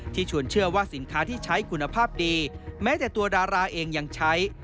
ชวนเชื่อว่าสินค้าที่ใช้คุณภาพดีแม้แต่ตัวดาราเองยังใช้